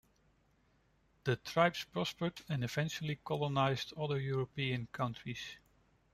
The tribes prospered, and eventually colonised other European countries.